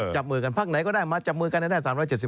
จับมือกันพักไหนก็ได้มาจับมือกันให้ได้๓๗๐